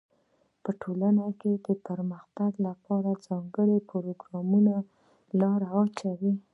په ټولنه کي د پرمختګ لپاره ځانګړي پروګرامونه په لاره واچوی.